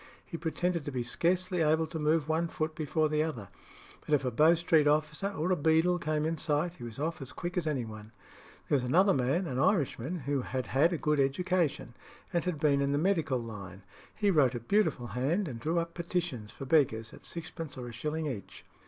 He pretended to be scarcely able to move one foot before the other; but if a Bow Street officer or a beadle came in sight, he was off as quick as any one. There was another man, an Irishman who had had a good education, and had been in the medical line; he wrote a beautiful hand, and drew up petitions for beggars at sixpence or a shilling each.